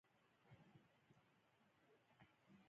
تړون د ښکېلو ډلو تر منځ لاسلیک شوه چې د سولې لاره یې پرانیسته.